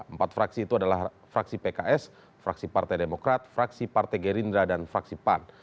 empat fraksi itu adalah fraksi pks fraksi partai demokrat fraksi partai gerindra dan fraksi pan